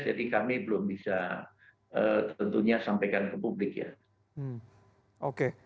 kami belum bisa tentunya sampaikan ke publik ya